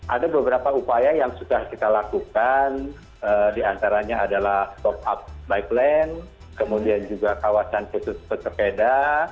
ada beberapa upaya yang sudah kita lakukan di antaranya adalah stop up bike lane kemudian juga kawasan putus sepeda